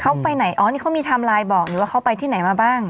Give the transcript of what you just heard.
เขาไปไหนอ๋อนี่เขามีไทม์ไลน์บอกหรือว่าเขาไปที่ไหนมาบ้าง